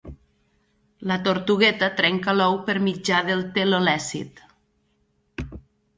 La tortugueta trenca l'ou per mitjà del telolècit